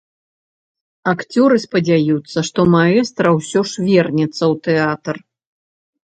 Акцёры спадзяюцца, што маэстра ўсё ж вернецца ў тэатр.